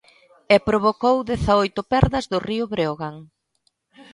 E provocou dezaoito perdas do Río Breogán.